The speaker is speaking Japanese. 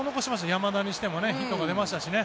山田にしてもヒットが出ましたしね。